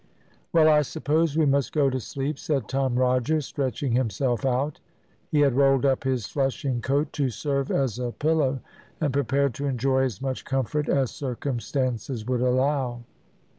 "Well, I suppose we must go to sleep," said Tom Rogers, stretching himself out. He had rolled up his flushing coat to serve as a pillow, and prepared to enjoy as much comfort as circumstances would allow.